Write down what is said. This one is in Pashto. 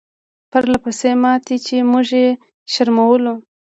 پرله پسې ماتې چې موږ یې شرمولو.